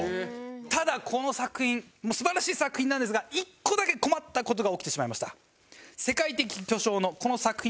ただこの作品素晴らしい作品なんですが１個だけ困った事が起きてしまいました。